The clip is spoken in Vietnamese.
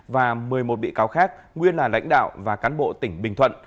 và một mươi một bị cáo khác nguyên là lãnh đạo và cán bộ tỉnh bình thuận